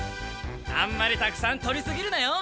あんまりたくさんとりすぎるなよ。